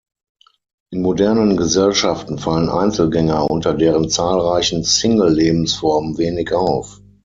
In modernen Gesellschaften fallen Einzelgänger unter deren zahlreichen Single-Lebensformen wenig auf.